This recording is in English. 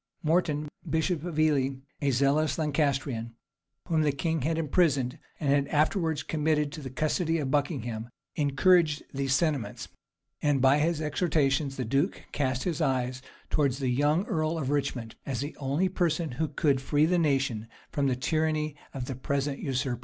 Morton, bishop of Ely, a zealous Lancastrian, whom the king had imprisoned, and had afterwards committed to the custody of Buckingham, encouraged these sentiments; and by his exhortations the duke cast his eye towards the young earl of Richmond, as the only person who could free the nation from the tyranny of the present usurper.